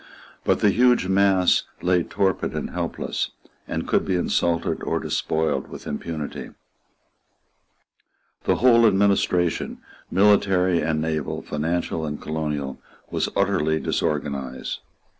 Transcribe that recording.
But the huge mass lay torpid and helpless, and could be insulted or despoiled with impunity. The whole administration, military and naval, financial and colonial, was utterly disorganized.